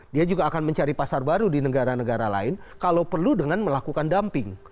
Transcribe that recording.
dia juga akan mencari pasar baru di negara negara lain kalau perlu dengan melakukan dumping